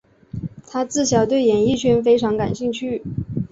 她自小对演艺圈非常感兴趣。